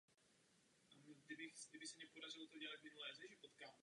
Na žádost operačního střediska vyjíždí ale i mimo své standardní území působnosti.